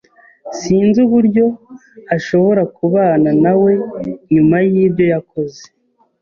Sinzi uburyo ashobora kubana nawe nyuma yibyo yakoze.